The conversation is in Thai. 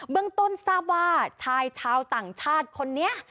เรื่องต้นทราบว่าชายชาวต่างชาติคนนี้